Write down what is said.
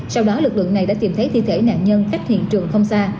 sau đó lực lượng này đã tìm thấy thi thể nạn nhân cách hiện trường không xa